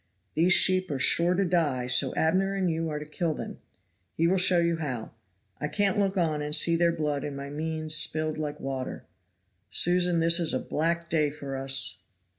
These sheep are sure to die, so Abner and you are to kill them. He will show you how. I can't look on and see their blood and my means spilled like water. Susan, this is a black day for us!"